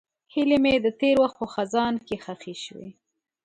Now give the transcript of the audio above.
هیلې مې د تېر وخت په خزان کې ښخې شوې.